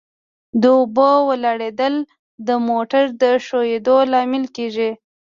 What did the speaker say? د اوبو ولاړېدل د موټرو د ښوئیدو لامل کیږي